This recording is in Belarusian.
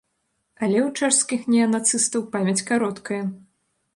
Але ў чэшскіх неанацыстаў памяць кароткая.